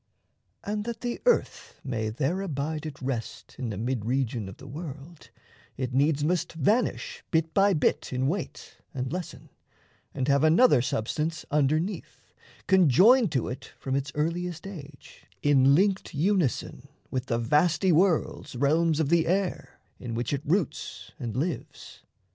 And that the earth may there abide at rest In the mid region of the world, it needs Must vanish bit by bit in weight and lessen, And have another substance underneath, Conjoined to it from its earliest age In linked unison with the vasty world's Realms of the air in which it roots and lives.